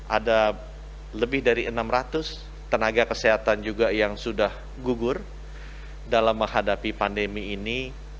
ada lebih dari enam ratus tenaga kesehatan juga yang sudah gugur dalam menghadapi pandemi ini